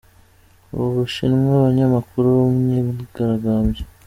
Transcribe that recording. U Bushinwa Abanyamakuru mu myigaragambyo